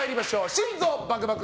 心臓バクバク！